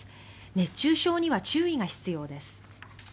熱中症には注意が必要です。